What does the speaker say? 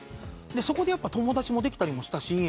そこで友達もできたりしたし。